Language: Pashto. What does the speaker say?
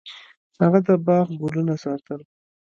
هغه د باغ ګلونه ساتل.